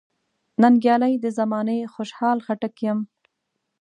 ننګیالی د زمانې خوشحال خټک یم .